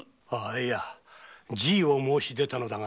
いや辞意を申し出たのだが。